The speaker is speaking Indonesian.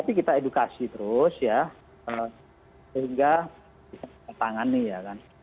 sehingga bisa diketangani ya kan